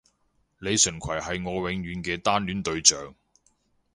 李純揆係我永遠嘅單戀對象